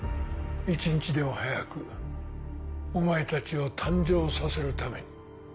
一日でも早くお前たちを誕生させるために。